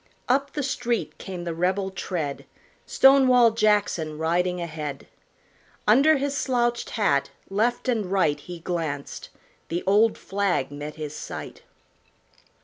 Up the street came the rebel tread, Stonewall Jackson riding ahead. Under his slouched hat left and right He glanced; the old flag met his sight.